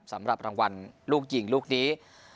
สำหรับรางวัลลูกยิงลูกนี้